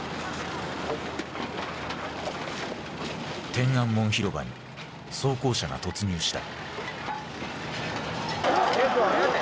天安門広場に装甲車が突入した。